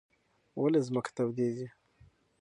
ولې ځمکه تودېږي؟